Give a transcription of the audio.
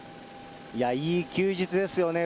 いい休日ですよね。